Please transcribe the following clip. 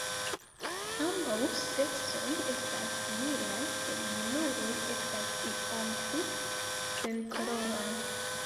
Ambaŭ seksoj estas similaj, sed junuloj estas iome pli senkoloraj.